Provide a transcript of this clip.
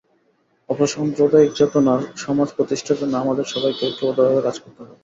অসাম্প্রদায়িক চেতনার সমাজ প্রতিষ্ঠার জন্য আমাদের সবাইকে ঐক্যবদ্ধভাবে কাজ করতে হবে।